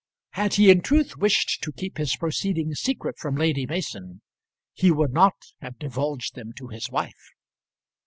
Had he in truth wished to keep his proceedings secret from Lady Mason he would not have divulged them to his wife.